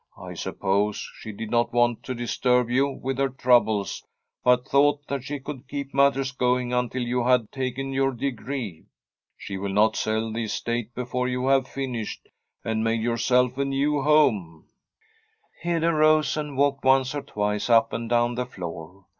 I suppose she did not want to disturb you with her troubles, but thought that she could keep matters going until you had taken your de free. She will not sell the estate before you have nished, and made yourself a new home.' Hede rose, and walked once or twice up and down the floor.